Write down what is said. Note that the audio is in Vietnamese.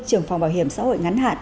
trưởng phòng bảo hiểm xã hội ngắn hạn